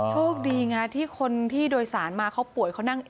โชคดีไงที่คนที่โดยสารมาเขาป่วยเขานั่ง